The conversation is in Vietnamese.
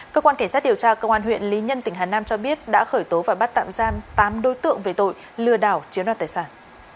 cơ quan cảnh sát điều tra công an huyện lý nhân tỉnh hà nam cho biết đã khởi tố và bắt tạm giam tám đối tượng về tội lừa đảo chiếm đoạt tài sản